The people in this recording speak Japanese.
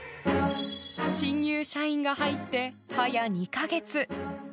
新入社員が入って早２か月。